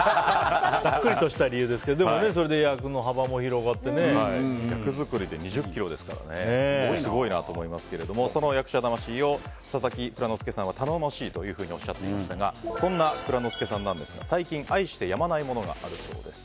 ざっくりとした理由ですけど役作りで２０ｋｇですからすごいなと思いますけれどもその役者魂を佐々木蔵之介さんは頼もしいとおっしゃっていましたがそんな蔵之介さんですが最近、愛してやまないものがあるそうです。